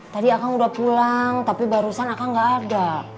tadi akang udah pulang tapi barusan akang gak ada